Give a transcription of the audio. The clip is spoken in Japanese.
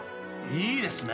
いいですね。